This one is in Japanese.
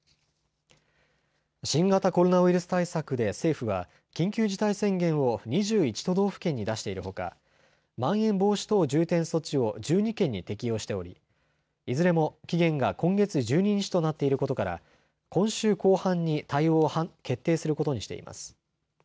新型コロナウイルス対策で政府は緊急事態宣言を２１都道府県に出しているほかまん延防止等重点措置を１２県に適用しておりいずれも期限が今月１２日となっていることから今週後半に対応を決定することにしています。